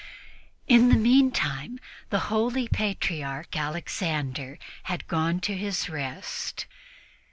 In the meantime the holy Patriarch Alexander had gone to his rest.